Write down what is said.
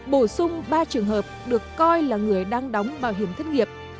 bổ sung ba trường hợp được coi là người đang đóng bảo hiểm thất nghiệp